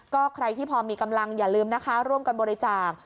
ก็ใครที่พอมีกำลังอย่าลืมนะคะร่วมกันบริจาค